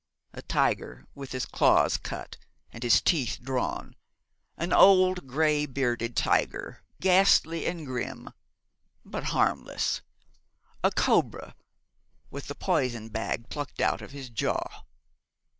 A tiger with his claws cut and his teeth drawn an old, grey bearded tiger, ghastly and grim, but harmless a cobra with the poison bag plucked out of his jaw!